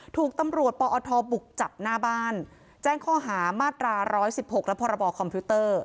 ถูกตำรวจปอทบุกจับหน้าบ้านแจ้งข้อหามาตรา๑๑๖และพรบคอมพิวเตอร์